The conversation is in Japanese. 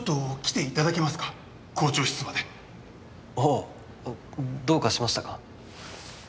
あどうかしましたか？